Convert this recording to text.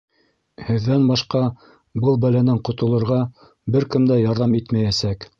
Һеҙҙән башҡа был бәләнән ҡотолорға бер кем дә ярҙам итмәйәсәк.